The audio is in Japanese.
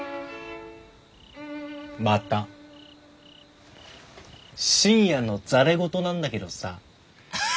また深夜のざれ言なんだけどさ。